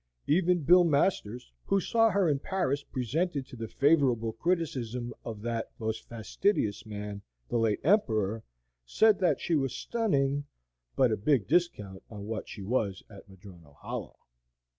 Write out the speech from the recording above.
Even Bill Masters, who saw her in Paris presented to the favorable criticism of that most fastidious man, the late Emperor, said that she was stunning, but a big discount on what she was at Madrono Hollow.